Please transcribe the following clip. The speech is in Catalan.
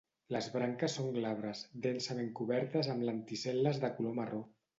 Les branques són glabres, densament cobertes amb lenticel·les de color marró.